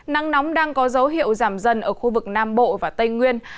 nắng nóng đang có dấu hiệu giảm dần ở khu vực nam bộ và tây nguyên